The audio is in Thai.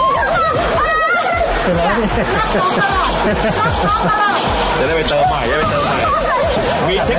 คังเล่นล่ะอ๋อสำเร็จ